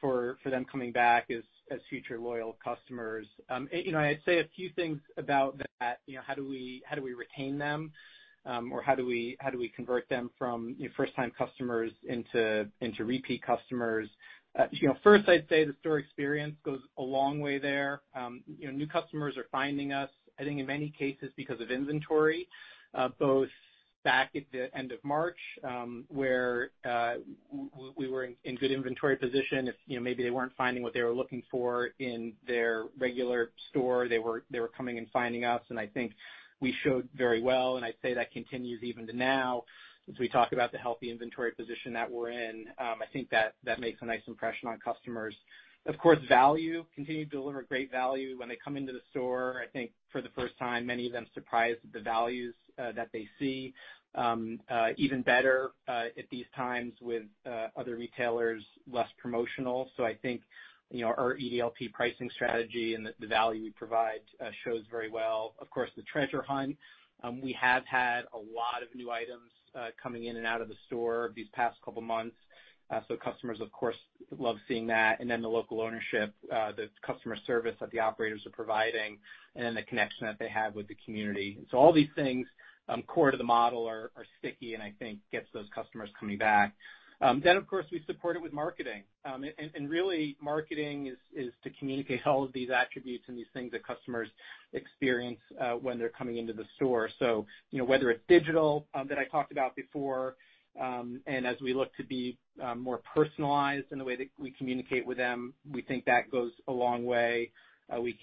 for them coming back as future loyal customers. I'd say a few things about that. How do we retain them? How do we convert them from first time customers into repeat customers? First, I'd say the store experience goes a long way there. New customers are finding us, I think, in many cases because of inventory, both back at the end of March, where we were in good inventory position. If maybe they weren't finding what they were looking for in their regular store, they were coming and finding us, and I think we showed very well, and I'd say that continues even to now as we talk about the healthy inventory position that we're in. I think that makes a nice impression on customers. Of course, value. Continue to deliver great value when they come into the store. I think for the first time, many of them surprised at the values that they see. Even better at these times with other retailers, less promotional. I think, our EDLP pricing strategy and the value we provide shows very well. Of course, the treasure hunt. We have had a lot of new items coming in and out of the store these past couple of months, so customers, of course, love seeing that. The local ownership, the customer service that the operators are providing and then the connection that they have with the community. All these things core to the model are sticky and I think gets those customers coming back. Of course, we support it with marketing. Really marketing is to communicate all of these attributes and these things that customers experience when they're coming into the store. Whether it's digital that I talked about before, and as we look to be more personalized in the way that we communicate with them, we think that goes a long way. We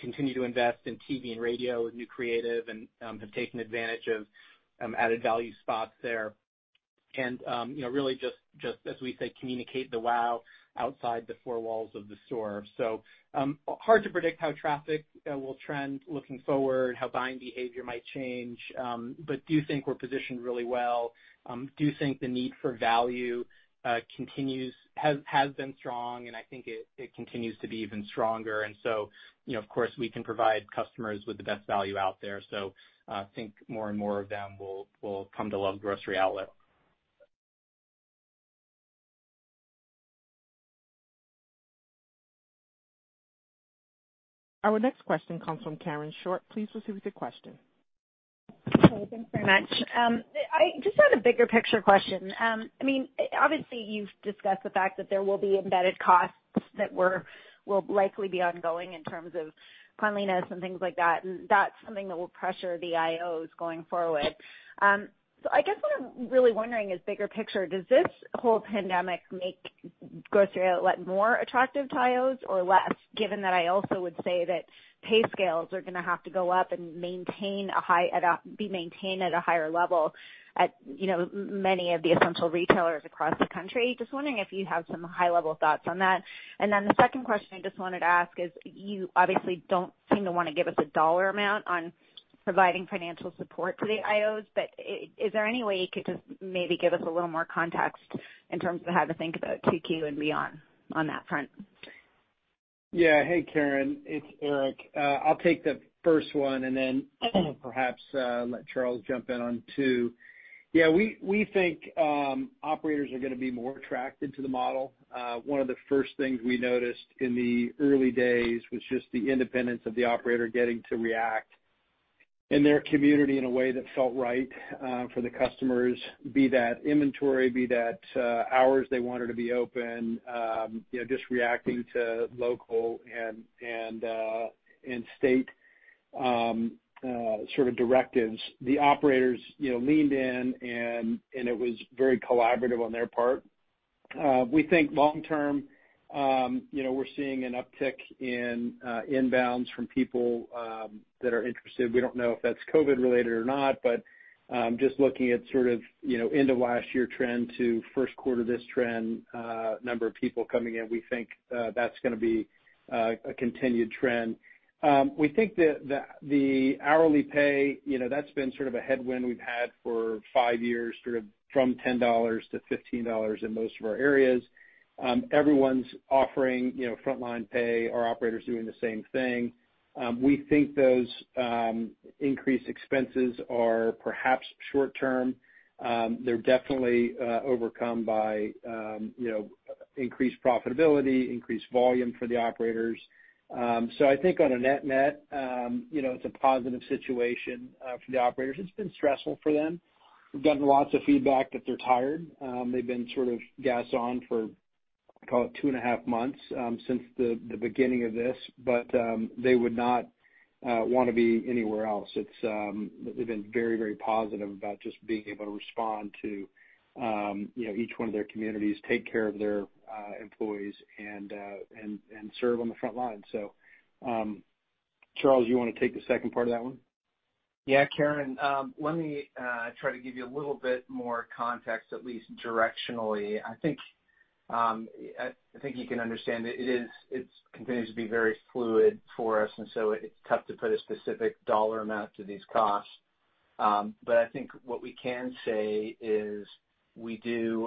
continue to invest in TV and radio with new creative and have taken advantage of added value spots there. Really just as we say, communicate the wow outside the four walls of the store. Hard to predict how traffic will trend looking forward, how buying behavior might change, but do think we're positioned really well. Do think the need for value has been strong, and I think it continues to be even stronger. Of course, we can provide customers with the best value out there. I think more and more of them will come to love Grocery Outlet. Our next question comes from Karen Short. Please proceed with your question. Okay, thanks very much. I just had a bigger picture question. Obviously, you've discussed the fact that there will be embedded costs that will likely be ongoing in terms of cleanliness and things like that, and that's something that will pressure the IOs going forward. I guess what I'm really wondering is bigger picture, does this whole pandemic make Grocery Outlet more attractive to IOs or less, given that I also would say that pay scales are going to have to go up and be maintained at a higher level at many of the essential retailers across the country? Just wondering if you have some high-level thoughts on that. The second question I just wanted to ask is, you obviously don't seem to want to give us a dollar amount on providing financial support to the IOs, but is there any way you could just maybe give us a little more context in terms of how to think about 2Q and beyond on that front? Yeah. Hey, Karen. It's Eric. I'll take the first one and then perhaps let Charles jump in on two. We think operators are going to be more attracted to the model. One of the first things we noticed in the early days was just the independence of the operator getting to react in their community in a way that felt right for the customers, be that inventory, be that hours they wanted to be open, just reacting to local and state directives. The operators leaned in, and it was very collaborative on their part. We think long term, we're seeing an uptick in inbounds from people that are interested. We don't know if that's COVID-19 related or not. Just looking at end of last year trend to first quarter this trend, number of people coming in, we think that's going to be a continued trend. We think that the hourly pay, that's been a headwind we've had for five years, from $10 to $15 in most of our areas. Everyone's offering frontline pay. Our operators are doing the same thing. We think those increased expenses are perhaps short term. They're definitely overcome by increased profitability, increased volume for the operators. I think on a net/net, it's a positive situation for the operators. It's been stressful for them. We've gotten lots of feedback that they're tired. They've been gassed on for call it two and a half months since the beginning of this, but they would not want to be anywhere else. They've been very positive about just being able to respond to each one of their communities, take care of their employees, and serve on the front line. Charles, you want to take the second part of that one? Karen, let me try to give you a little bit more context, at least directionally. I think you can understand it continues to be very fluid for us, it's tough to put a specific dollar amount to these costs. I think what we can say is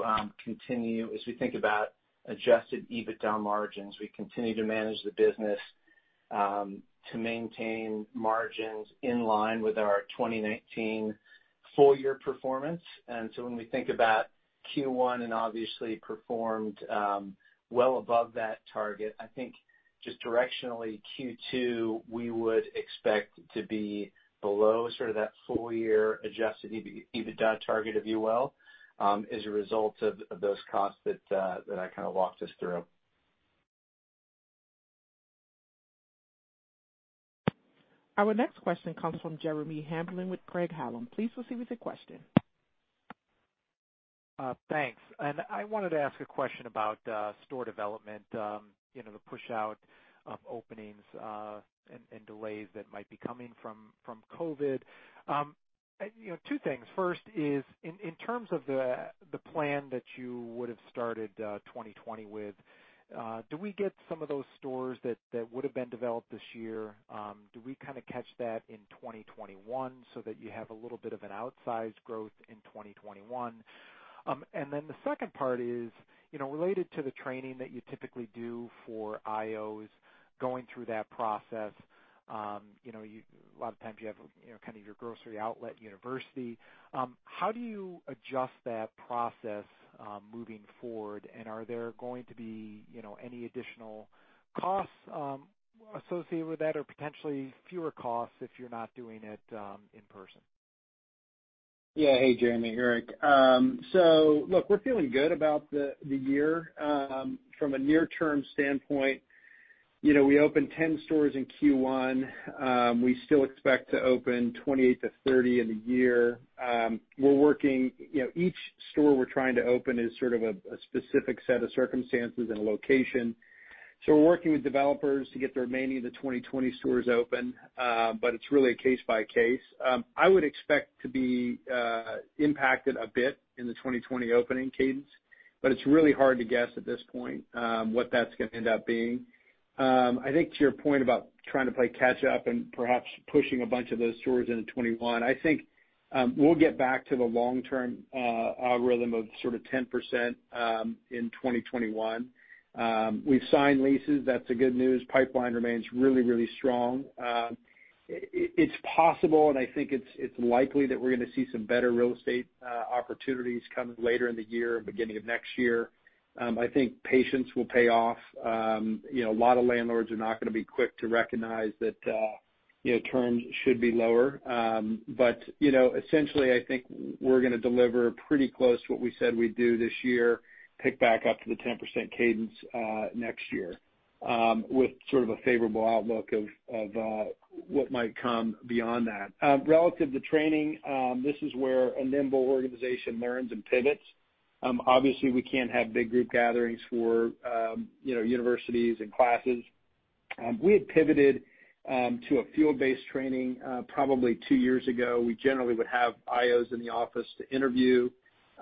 as we think about adjusted EBITDA margins, we continue to manage the business to maintain margins in line with our 2019 full year performance. When we think about Q1 and obviously performed well above that target, I think just directionally Q2, we would expect to be below that full year adjusted EBITDA target of UL as a result of those costs that I walked us through. Our next question comes from Jeremy Hamblin with Craig-Hallum. Please proceed with your question. Thanks. I wanted to ask a question about store development, the push out of openings, and delays that might be coming from COVID. Two things. First is in terms of the plan that you would've started 2020 with, do we get some of those stores that would've been developed this year, do we catch that in 2021 so that you have a little bit of an outsized growth in 2021? The second part is related to the training that you typically do for IOs going through that process. A lot of times you have your Grocery Outlet University. How do you adjust that process moving forward, and are there going to be any additional costs associated with that or potentially fewer costs if you're not doing it in person? Yeah. Hey, Jeremy. Eric. Look, we're feeling good about the year. From a near-term standpoint, we opened 10 stores in Q1. We still expect to open 28-30 in the year. Each store we're trying to open is a specific set of circumstances and a location. We're working with developers to get the remaining of the 2020 stores open, but it's really a case by case. I would expect to be impacted a bit in the 2020 opening cadence, but it's really hard to guess at this point what that's going to end up being. I think to your point about trying to play catch up and perhaps pushing a bunch of those stores into 2021, I think we'll get back to the long-term algorithm of 10% in 2021. We've signed leases. That's the good news. Pipeline remains really strong. It's possible, and I think it's likely that we're going to see some better real estate opportunities coming later in the year and beginning of next year. I think patience will pay off. A lot of landlords are not going to be quick to recognize that Terms should be lower. Essentially, I think we're going to deliver pretty close to what we said we'd do this year, pick back up to the 10% cadence next year with sort of a favorable outlook of what might come beyond that. Relative to training, this is where a nimble organization learns and pivots. Obviously, we can't have big group gatherings for Grocery Outlet University and classes. We had pivoted to a field-based training probably two years ago. We generally would have IOs in the office to interview.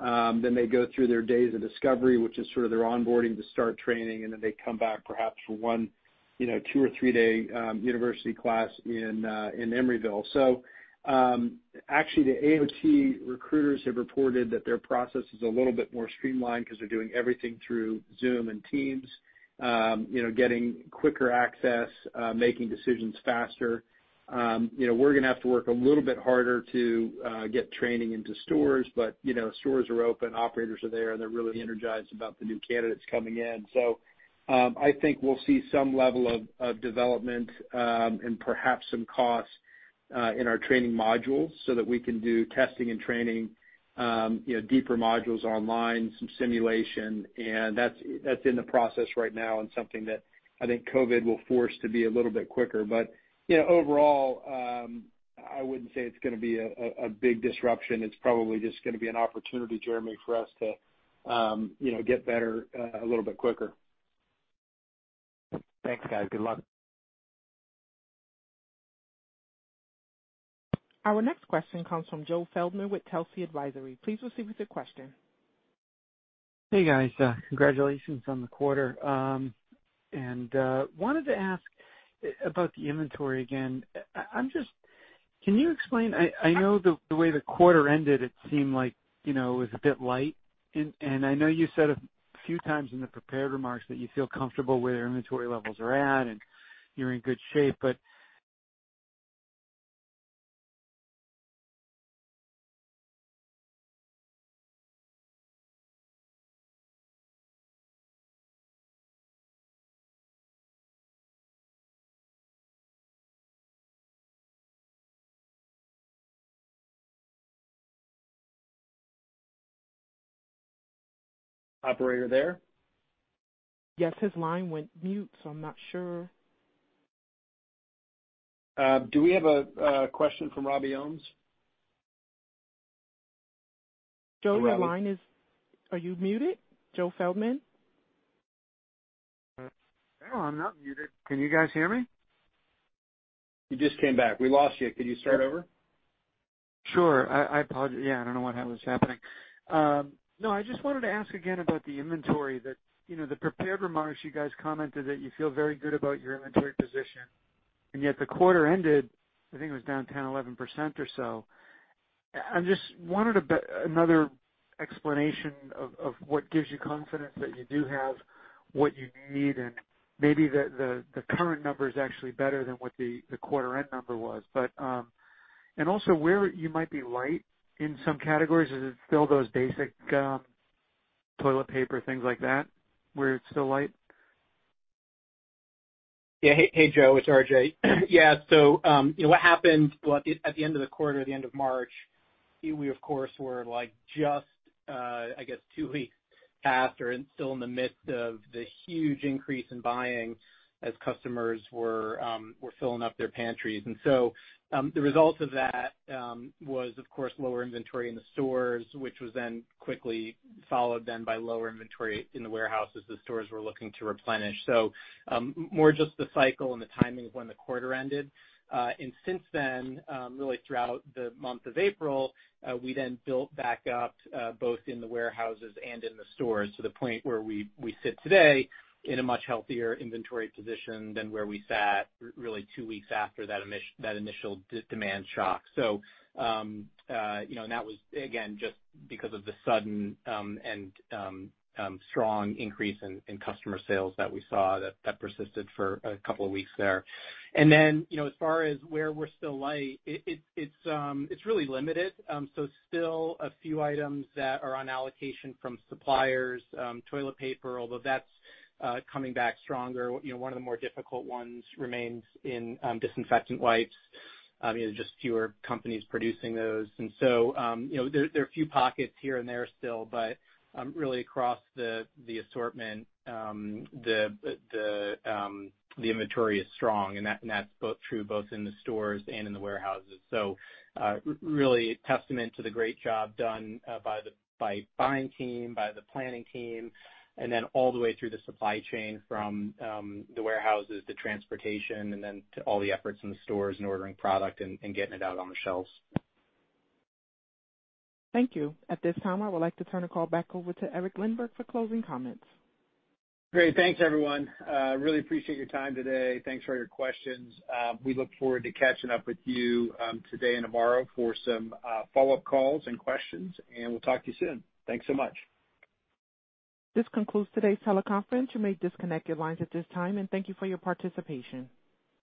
They go through their days of discovery, which is sort of their onboarding to start training, and they come back perhaps for one, two, or three-day University class in Emeryville. Actually the AOT recruiters have reported that their process is a little bit more streamlined because they're doing everything through Zoom and Teams, getting quicker access, making decisions faster. We're going to have to work a little bit harder to get training into stores, but stores are open, operators are there. They're really energized about the new candidates coming in. I think we'll see some level of development, and perhaps some costs in our training modules so that we can do testing and training, deeper modules online, some simulation. That's in the process right now and something that I think COVID will force to be a little bit quicker. Overall, I wouldn't say it's going to be a big disruption. It's probably just going to be an opportunity, Jeremy, for us to get better a little bit quicker. Thanks, guys. Good luck. Our next question comes from Joe Feldman with Telsey Advisory. Please proceed with your question. Hey, guys. Congratulations on the quarter. Wanted to ask about the inventory again. Can you explain, I know the way the quarter ended, it seemed like it was a bit light. I know you said a few times in the prepared remarks that you feel comfortable where your inventory levels are at, and you're in good shape. Operator there? Yes, his line went mute, so I'm not sure. Do we have a question from Robert Ohmes? Joe, your line is, are you muted? Joseph Feldman? No, I'm not muted. Can you guys hear me? You just came back. We lost you. Could you start over? Sure. I apologize. Yeah, I don't know what was happening. No, I just wanted to ask again about the inventory that, the prepared remarks you guys commented that you feel very good about your inventory position, and yet the quarter ended, I think it was down 10%, 11% or so. I just wanted another explanation of what gives you confidence that you do have what you need, and maybe the current number is actually better than what the quarter end number was. Also where you might be light in some categories. Is it still those basic toilet paper, things like that, where it's still light? Yeah. Hey, Joe, it's RJ. Yeah. What happened at the end of the quarter, the end of March, we of course were just, I guess two weeks after and still in the midst of the huge increase in buying as customers were filling up their pantries. The result of that was, of course, lower inventory in the stores, which was then quickly followed then by lower inventory in the warehouses as the stores were looking to replenish. More just the cycle and the timing of when the quarter ended. Since then, really throughout the month of April, we then built back up both in the warehouses and in the stores to the point where we sit today in a much healthier inventory position than where we sat really two weeks after that initial demand shock. That was, again, just because of the sudden and strong increase in customer sales that we saw that persisted for a couple of weeks there. As far as where we're still light, it's really limited. Still a few items that are on allocation from suppliers. Toilet paper, although that's coming back stronger. One of the more difficult ones remains in disinfectant wipes. Just fewer companies producing those. There are a few pockets here and there still, but really across the assortment, the inventory is strong, and that's true both in the stores and in the warehouses. Really testament to the great job done by buying team, by the planning team, and then all the way through the supply chain from the warehouses to transportation and then to all the efforts in the stores and ordering product and getting it out on the shelves. Thank you. At this time, I would like to turn the call back over to Eric Lindberg for closing comments. Great. Thanks, everyone. Really appreciate your time today. Thanks for all your questions. We look forward to catching up with you today and tomorrow for some follow-up calls and questions, and we'll talk to you soon. Thanks so much. This concludes today's teleconference. You may disconnect your lines at this time, and thank you for your participation.